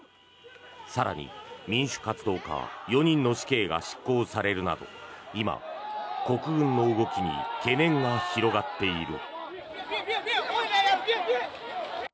更に、民主活動家４人の死刑が執行されるなど今、国軍の動きに懸念が広がっている。